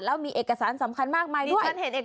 แล้วมีเอกสารสำคัญมากมายด้วย